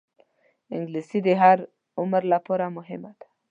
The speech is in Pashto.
انګلیسي د هر عمر لپاره مهمه ده